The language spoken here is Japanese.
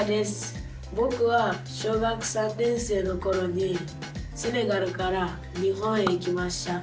ぼくは小学３年生のころにセネガルから日本へ来ました。